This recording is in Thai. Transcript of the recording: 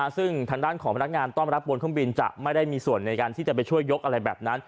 ซึ่งทางด้านของพนักงานต้อนรับบนเครื่องบินจะไม่ได้มีส่วนในการที่จะไปช่วยยกอะไรแบบนั้น